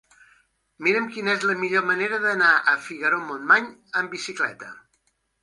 Mira'm quina és la millor manera d'anar a Figaró-Montmany amb bicicleta.